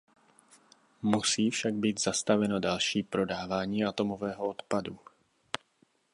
Musí však být zastaveno další prodávání atomového odpadu.